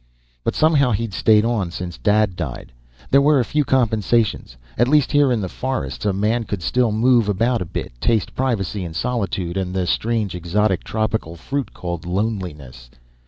But somehow he'd stayed on, since Dad died. There were a few compensations. At least here in the forests a man could still move about a bit, taste privacy and solitude and the strange, exotic tropical fruit called loneliness.